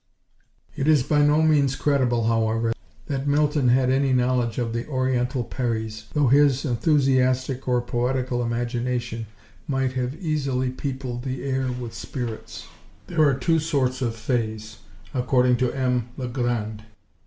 It is by no means credible, however, that Milton had any knowledge of the Oriental Peries, though his enthusiastic or poetical imagination might have easily peopled the air with spirits. There are two sorts of fays, according to M. Le Grand.